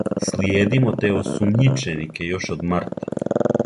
Слиједимо те осумњиченике још од марта.